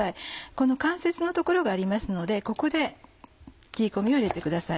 この関節の所がありますのでここで切り込みを入れてください。